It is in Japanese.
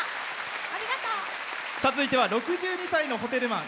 続いては６２歳のホテルマン。